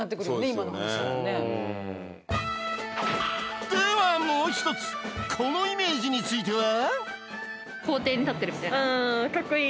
今の話だとねではもう一つこのイメージについては？